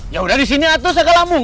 yaudah di sini atuh saya ke lambung